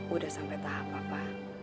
udah sampai tahap apa